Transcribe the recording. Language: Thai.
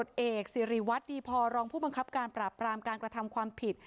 เอกสิริวัตรดีพอรองผู้บังคับการปราบปรามการกระทำความผิด